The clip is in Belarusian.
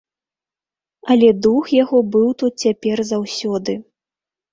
Але дух яго быў тут цяпер заўсёды.